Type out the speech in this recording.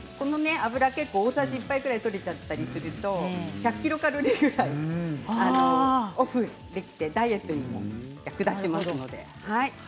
この油は結構大さじ１杯ぐらい取れてしまったりすると１００キロカロリーぐらいオフできてダイエットにも役立ちます。